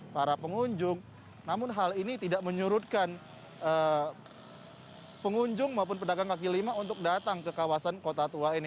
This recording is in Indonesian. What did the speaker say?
para pengunjung namun hal ini tidak menyurutkan pengunjung maupun pedagang kaki lima untuk datang ke kawasan kota tua ini